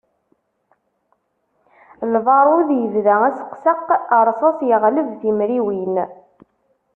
Lbarud yebda aseqseq, rsas yeɣleb timriwin.